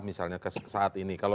misalnya ke saat ini